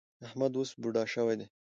احمد اوس بوډا شوی دی.